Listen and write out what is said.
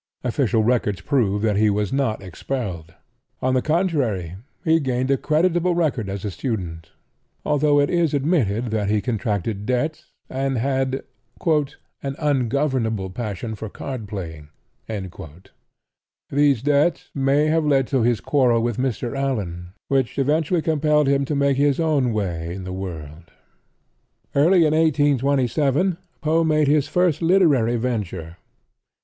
Official records prove that he was not expelled. On the contrary, he gained a creditable record as a student, although it is admitted that he contracted debts and had "an ungovernable passion for card playing." These debts may have led to his quarrel with Mr. Allan which eventually compelled him to make his own way in the world. Early in 1827 Poe made his first literary venture.